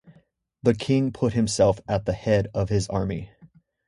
The king put himself at the head of his army.